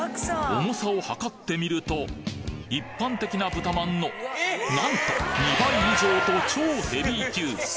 重さを量ってみると一般的な豚まんのなんと２倍以上と超ヘビー級！